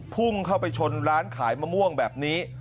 พุ่งเข้าไปชนร้านขายมะม่วงแบบนี้